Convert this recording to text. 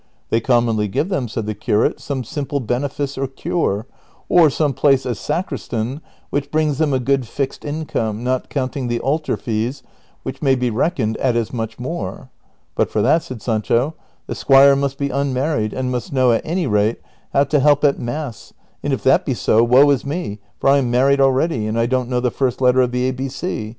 They commonly give them," said the curate, '^ some simple benefice or cure, or some place as sacristan which brings them a good fixed income, not counting the altar fees, which may be reckoned at as much more." " But for that," said Sancho, " the squire must be unmarried, and must know, at any rate, how to help at Mass, and if that be so, woe is me, for I am married already and I don't know the first letter of the ABC.